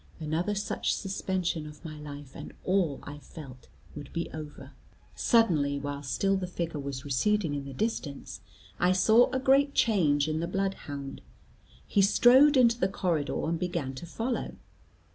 Another such suspension of my life, and all, I felt, would be over. Suddenly, while still the figure was receding in the distance, I saw a great change in the bloodhound. He strode into the corridor, and began to follow.